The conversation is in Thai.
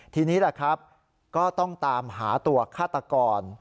ทีนี้แหละครับก็ต้องตามหาตัวฆาตกร